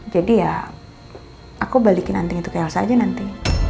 jadi ya aku balikin anting itu ke elsa aja nanti